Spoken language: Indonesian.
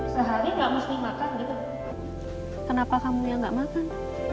sehari enggak mesti makan kenapa kamu yang enggak makan